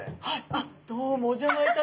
あっどうもお邪魔いたします。